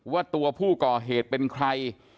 ว่าตัวผู้ก่อเหตุเป็นใคร